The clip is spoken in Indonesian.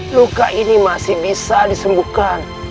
luka ini masih bisa disembuhkan